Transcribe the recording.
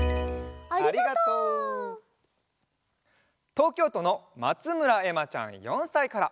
とうきょうとのまつむらえまちゃん４さいから。